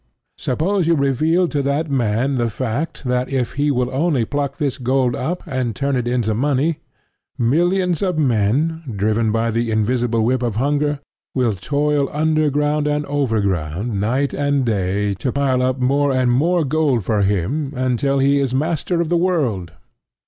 Suppose you reveal to that man the fact that if he will only pluck this gold up, and turn it into money, millions of men, driven by the invisible whip of hunger, will toil underground and overground night and day to pile up more and more gold for him until he is master of the world!